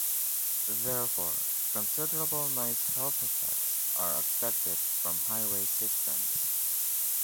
Therefore, considerable noise health effects are expected from highway systems.